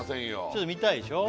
ちょっと見たいでしょ？